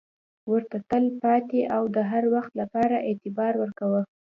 ورته تل پاتې او د هروخت لپاره اعتبار ورکوو.